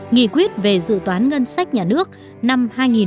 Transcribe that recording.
nghị quyết về dự toán ngân sách nhà nước năm hai nghìn một mươi chín